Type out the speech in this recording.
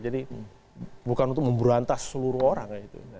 jadi bukan untuk memberantas seluruh orang